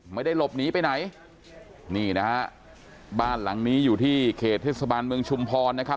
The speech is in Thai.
ไม่ได้หลบหนีไปไหนนี่นะฮะบ้านหลังนี้อยู่ที่เขตเทศบาลเมืองชุมพรนะครับ